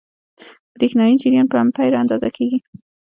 برېښنايي جریان په امپیر اندازه کېږي.